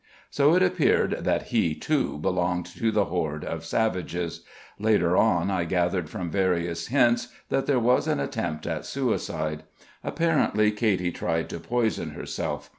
So it appeared that he too belonged to the horde of savages. Later on, I gathered from various hints, that there was an attempt at suicide. Apparently, Katy tried to poison herself.